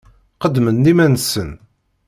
Qeddmen-d iman-nsen.